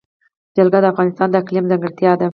جلګه د افغانستان د اقلیم ځانګړتیا ده.